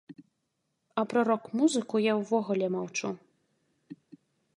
А пра рок-музыку я ўвогуле маўчу.